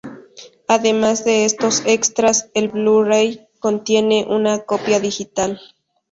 Además de estos extras, el Blu-ray contiene una copia digital.